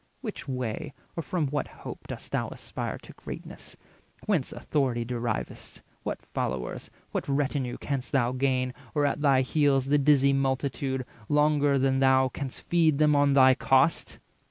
Which way, or from what hope, dost thou aspire To greatness? whence authority deriv'st? What followers, what retinue canst thou gain, Or at thy heels the dizzy multitude, 420 Longer than thou canst feed them on thy cost?